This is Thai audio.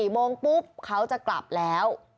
โมงปุ๊บเขาจะกลับแล้ว